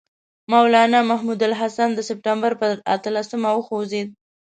مولنا محمود الحسن د سپټمبر پر اتلسمه وخوځېد.